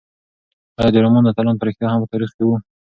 ایا د رومان اتلان په رښتیا هم په تاریخ کې وو؟